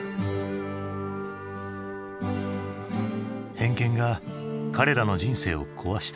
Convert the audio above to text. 偏見が彼らの人生を壊した。